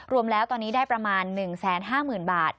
รวมแล้วตอนนี้ได้ประมาณ๑๕๐๐๐บาท